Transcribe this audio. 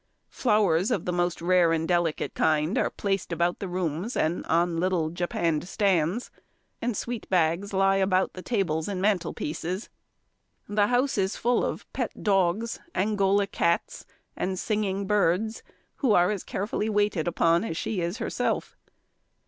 Flowers of the most rare and delicate kind are placed about the rooms and on little japanned stands; and sweet bags lie about the tables and mantelpieces. The house is full of pet dogs, Angola cats, and singing birds, who are as carefully waited upon as she is herself.